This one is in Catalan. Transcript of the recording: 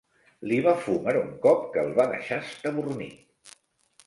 Li va fúmer un cop que el va deixar estabornit.